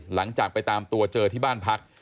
หลังจากไปตามตัวเจอที่บ้านพัก